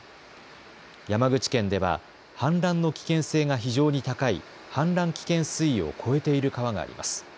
山口県では氾濫の危険性が非常に高い氾濫危険水位を超えている川があります。